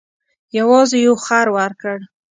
یوازې یو خر ورکړ.